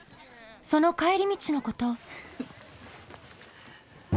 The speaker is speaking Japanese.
その帰り道のこと。